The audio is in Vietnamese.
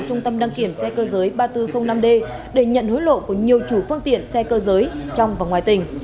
trung tâm đăng kiểm xe cơ giới ba nghìn bốn trăm linh năm d để nhận hối lộ của nhiều chủ phương tiện xe cơ giới trong và ngoài tỉnh